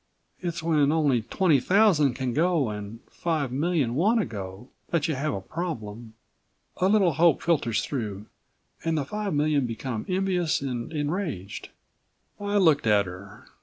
"It's when only twenty thousand can go and five million want to go that you have a problem. A little hope filters through, and the five million become envious and enraged." I looked at her.